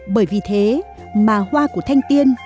bởi vì thế mà hoa của thanh tiên